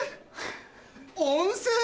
温泉？